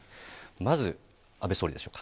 まず、安倍総理でしょうか。